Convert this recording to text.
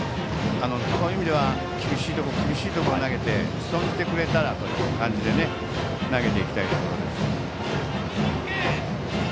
そういう意味では厳しいところに投げて打ち損じてくれたらという感じで投げていきたいところです。